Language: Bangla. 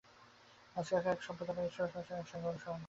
আজকালকার এক সম্প্রদায় বলেন, ঈশ্বর ও সংসার একসঙ্গে অনুসরণ কর।